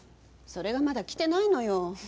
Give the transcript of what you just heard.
それがまだ来てないのよ。